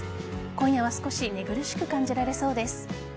今夜は少し寝苦しく感じられそうです。